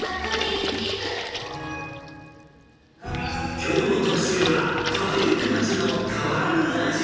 きょうの特集は、変わりゆく街の変わらぬ味。